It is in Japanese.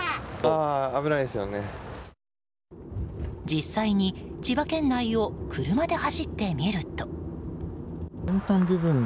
実際に千葉県内を車で走ってみると。